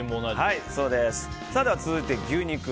続いて、牛肉。